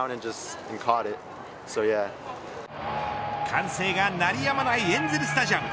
歓声が鳴りやまないエンゼル・スタジアム。